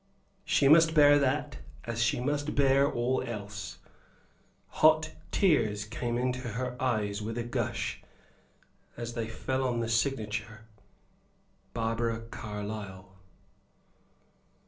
She must bear that, as she must bear all else. Hot tears came into her eyes, with a gush, as they fell on the signature, "Barbara Carlyle."